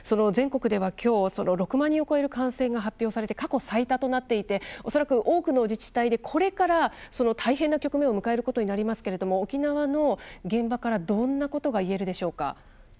全国ではきょう、６万人を超える感染が発表されて、過去最多となり恐らく、多くの自治体でこれから大変な局面を迎えることになりますが沖縄の現場からどんなことが言えるでしょうか？